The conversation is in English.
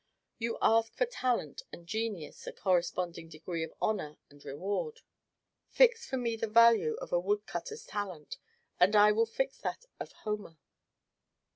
You ask for talent and genius a corresponding degree of honor and reward. Fix for me the value of a wood cutter's talent, and I will fix that of Homer.